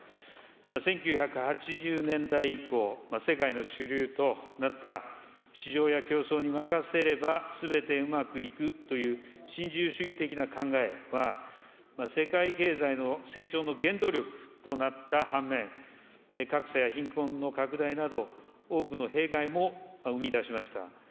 １９８０年代以降、世界の主流となった市場や競争に任せればすべてうまくいくという、新自由主義的な考えは、世界経済の成長の原動力となった半面、格差や貧困の拡大など、多くの弊害も生み出しました。